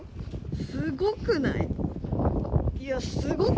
すごくない？